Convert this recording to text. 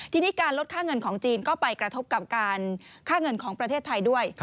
ทีนี้การลดค่าเงินของจีนก็ไปกระทบกับการค่าเงินของประเทศไทยด้วย